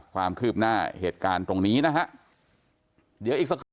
ความคืบหน้าเหตุการณ์ตรงนี้นะครับ